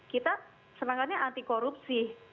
kita semangatnya anti korupsi